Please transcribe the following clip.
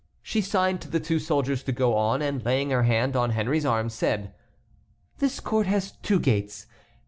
She signed to the two soldiers to go on, and laying her hand on Henry's arm, said: "This court has two gates.